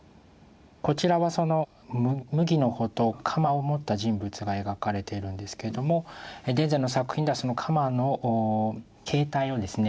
こちらはその麦の穂と鎌を持った人物が描かれているんですけれども田善の作品ではその鎌の形態をですね